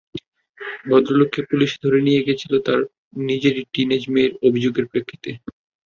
ভদ্রলোককে পুলিশে ধরে নিয়ে গিয়েছিল তার নিজেরই টিনএজ মেয়ের অভিযোগের প্রেক্ষিতে।